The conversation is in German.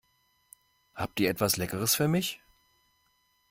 Habt ihr etwas Leckeres für mich?